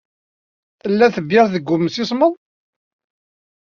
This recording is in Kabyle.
Tella tebyirt deg yimsismeḍ?